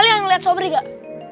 sobri yang liat sobri gak